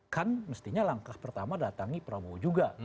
kan mestinya langkah pertama datangi prabowo juga